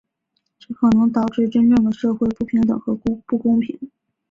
这可能导致真正的社会不平等和不公正。